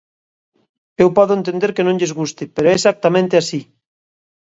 Eu podo entender que non lles guste, pero é exactamente así.